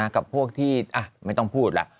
กับพวกที่ไม่ต้องพูดแล้ว